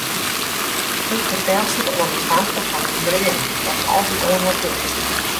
Hoe fertelst it oan it famke fan dyn dreamen, datst altyd oan har tinkst?